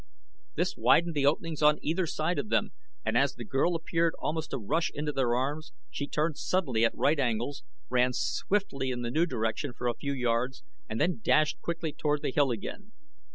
This widened the openings on either side of them and as the girl appeared almost to rush into their arms she turned suddenly at right angles, ran swiftly in the new direction for a few yards, and then dashed quickly toward the hill again.